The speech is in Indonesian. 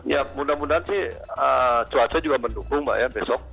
ya mudah mudahan sih cuaca juga mendukung mbak ya besok